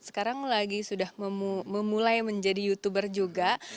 sekarang lagi sudah memulai menjadi youtuber juga